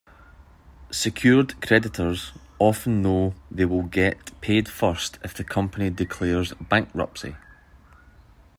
Secured creditors often know they will get paid first if the company declares bankruptcy.